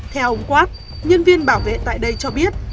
theo ông quát nhân viên bảo vệ tại đây cho biết